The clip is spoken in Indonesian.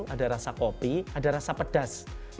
ada rasa kopi ada rasa pedas